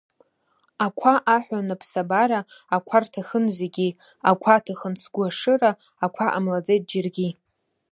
Ақәа аҳәон аԥсабара, ақәа рҭахын зегьы, ақәа аҭахын сгәы ашыра, ақәа ҟамлаӡеит џьаргьы.